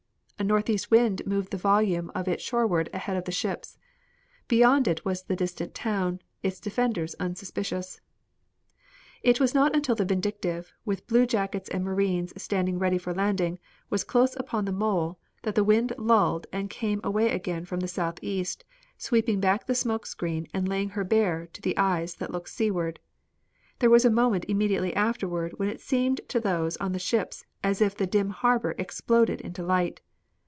A northeast wind moved the volume of it shoreward ahead of the ships. Beyond it was the distant town, its defenders unsuspicious. It was not until the Vindictive, with bluejackets and marines standing ready for landing, was close upon the mole, that the wind lulled and came away again from the southeast, sweeping back the smoke screen and laying her bare to eyes that looked seaward, There was a moment immediately afterward when it seemed to those on the ships as if the dim harbor exploded into light.